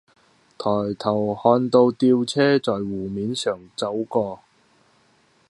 抬頭看到吊車在湖面上走過